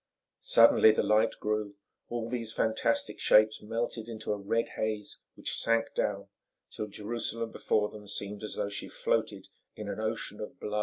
Suddenly the light grew, all these fantastic shapes melted into a red haze, which sank down till Jerusalem before them seemed as though she floated in an ocean of blood and fire.